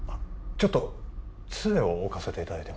ちょっと杖を置かせていただいても？